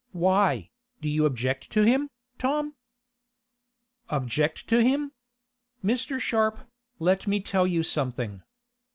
Why, do you object to him, Tom?" "Object to him? Mr. Sharp, let me tell you something.